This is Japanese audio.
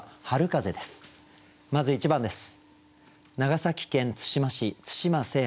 まず１番です。